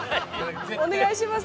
お願いします。